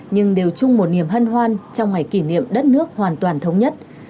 nhưng đều chung một niềm hân hoan trong ngày kỷ niệm đất nước hoàn toàn thống nhất